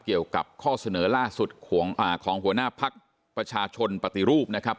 เกี่ยวกับข้อเสนอล่าสุดของหัวหน้าพักประชาชนปฏิรูปนะครับ